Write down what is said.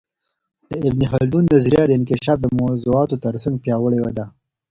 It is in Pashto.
د ابن خلدون نظریه د انکشاف د موضوعاتو ترڅنګ پياوړې ده.